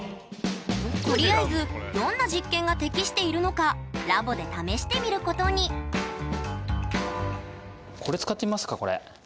とりあえずどんな実験が適しているのかラボで試してみることにこれ使ってみますかこれ。